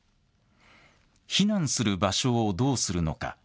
避難する場所をどうするのか。